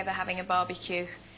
バーベキューとか。